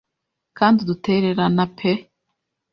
kandi udutererana pe